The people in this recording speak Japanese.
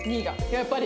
やっぱり！